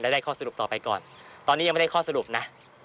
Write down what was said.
ได้ข้อสรุปต่อไปก่อนตอนนี้ยังไม่ได้ข้อสรุปนะ